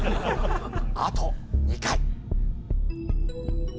あと２回。